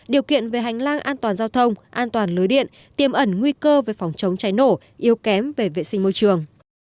điều kiện về hành lang an toàn giao thông an toàn lưới điện tiêm ẩn nguy cơ về phòng chống cháy nổ yếu kém về vệ sinh môi trường